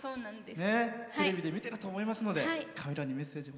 テレビで見てると思いますのでカメラにメッセージ。